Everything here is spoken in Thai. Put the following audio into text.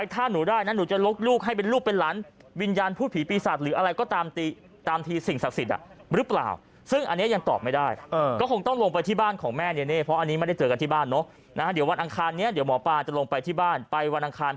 ถ้าหนูได้นะหนูจะลกลูกให้เป็นลูกเป็นหลานวิญญาณพูดผีปีศาจหรืออะไรก็ตามทีสิ่งศักดิ์สิทธิ์หรือเปล่าซึ่งอันนี้ยังตอบไม่ได้ก็คงต้องลงไปที่บ้านของแม่เนเน่เพราะอันนี้ไม่ได้เจอกันที่บ้านเนอะเดี๋ยววันอังคารนี้เดี๋ยวหมอปลาจะลงไปที่บ้านไปวันอังคาร